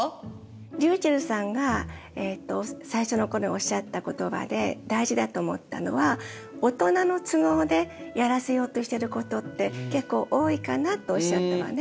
りゅうちぇるさんが最初のころおっしゃった言葉で大事だと思ったのは「大人の都合でやらせようとしてることって結構多いかな」とおっしゃったのね。